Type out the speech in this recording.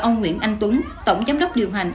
ông nguyễn anh tuấn tổng giám đốc điều hành